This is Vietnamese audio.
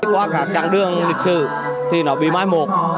qua các chặng đường lịch sử thì nó bị mai một